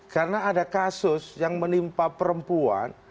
karena ada kasus yang menimpa perempuan